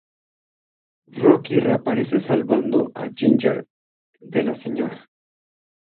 Rocky reaparece salvando a Ginger de la Sra.